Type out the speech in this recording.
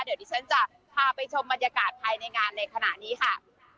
เดี๋ยวดิฉันจะพาไปชมบรรยากาศภายในงานในขณะนี้ค่ะ